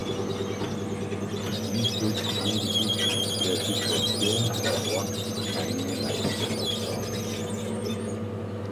Dies ist angesichts der Situation vor Ort keine leichte Aufgabe.